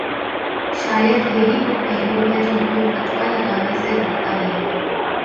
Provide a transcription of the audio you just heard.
شاید یہی وہ پہلو ہے جو ہمیں فتوی لگانے سے روکتا ہے۔